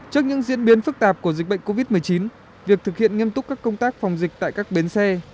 trước những diễn biến phức tạp của dịch bệnh covid một mươi chín việc thực hiện nghiêm túc các công tác phòng dịch tại các bến xe